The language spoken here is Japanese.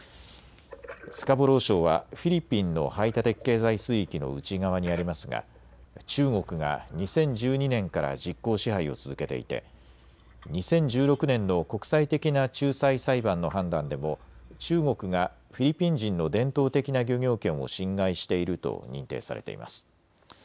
スカボロー礁はフィリピンの排他的経済水域の内側にありますが中国が２０１２年から実効支配を続けていて２０１６年の国際的な仲裁裁判の判断でも中国がフィリピン人の伝統的な漁業権を侵害していると認定されています。